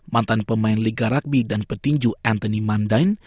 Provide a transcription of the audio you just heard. mantan pemain liga rugby dan petinju anthony mundine